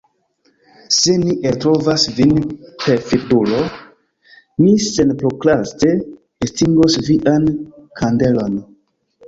Se ni eltrovas vin perfidulo, ni senprokraste estingos vian kandelon.